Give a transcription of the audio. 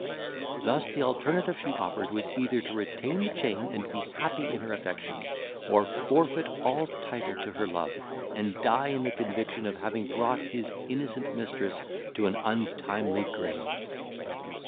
Thus the alternative she offered was either to retain the chain and be happy in her affection, or forfeit all title to her love, and die in the conviction of having brought his innocent mistress to an untimely grave.